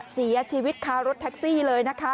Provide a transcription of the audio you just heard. เสียชีวิตคารถแท็กซี่เลยนะคะ